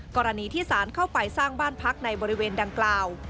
กรณีที่สารเข้าไปสร้างบ้านพักในบริเวณดังกล่าว